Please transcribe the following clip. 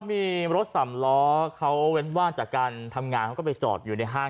มีรถสำล้อเขาเว้นว่างจากการทำงานเขาก็ไปจอดอยู่ในห้าง